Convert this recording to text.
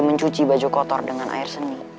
mencuci baju kotor dengan air seni